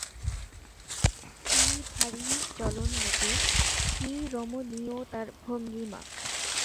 কী ভারী চলন মতির, কী রমণীয় তার ভঙ্গিমা।